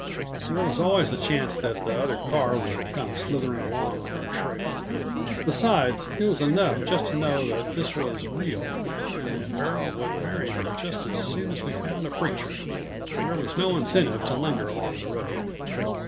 There was always the chance that the other car would come slithering along on our trail. Besides, it was enough just to know that this was real, and that Beryl would marry me just as soon as we found a preacher. There was no incentive to linger along the road.